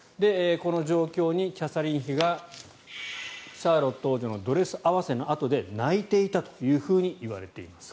この状況にキャサリン妃がシャーロット王女のドレス合わせのあとで泣いていたといわれています。